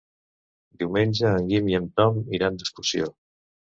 Diumenge en Guim i en Tom iran d'excursió.